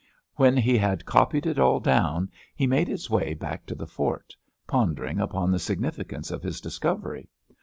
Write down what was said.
When he had copied it all down he made his way back to the fort, pondering upon the significance of his discovery.